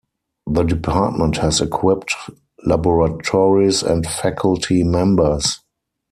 The department has equipped laboratories and faculty members.